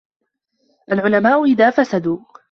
الْعُلَمَاءُ إذَا فَسَدُوا